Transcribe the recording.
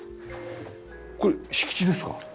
これ敷地ですか？